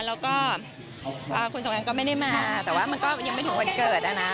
แล้วก็คุณสงการก็ไม่ได้มาแต่ว่ามันก็ยังไม่ถึงวันเกิดอะนะ